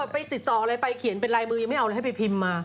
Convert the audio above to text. ไปติดต่ออะไรไปเขียนเป็นลายมือยังไม่เอาเลยให้ไปพิมพ์มา